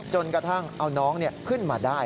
จนกระทั่งเอาน้องขึ้นมาได้